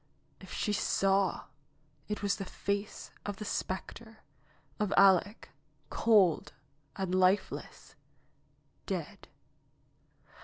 If she saw, it was the face of the specter, of Aleck, cold and lifeless — dead